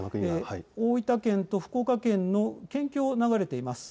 大分県と福岡県の県境を流れています。